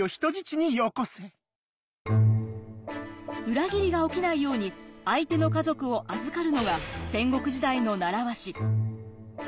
裏切りが起きないように相手の家族を預かるのが戦国時代の習わし。